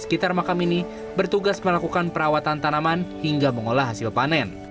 sekitar makam ini bertugas melakukan perawatan tanaman hingga mengolah hasil panen